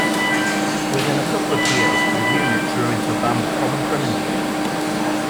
Within a couple of years, the unit grew into a band of common criminals.